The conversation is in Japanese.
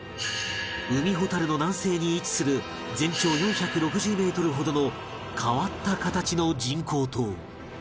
海ほたるの南西に位置する全長４６０メートルほどの変わった形の人工島